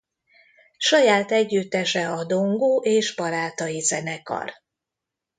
Saját együttese a Dongó és Barátai zenekar.